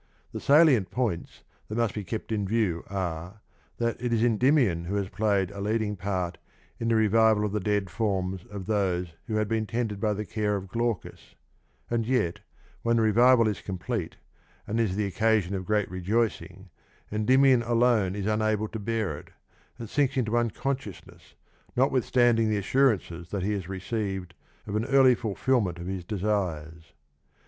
The salient points that must be kept in view are, that it is Endymion who has played a leading part in the revival of the dead forms of those who had been tended by the care of Glaucus, and yet, when the revival is complete, and is the occasion of great rejoicing, Endymion alone is unable to bear it, and sinks into unconsciousness notwithstanding the assurances that he has received of an early fulfilment of his desires.